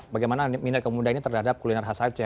bagaimana minat kaum muda ini terhadap kuliner khas aceh